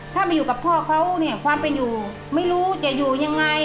ถ้ามาอยู่กับพ่อเขาเนี่ยความเป็นอยู่ไม่รู้จะอยู่ยังไง